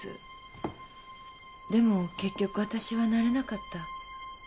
でも結局わたしはなれなかった。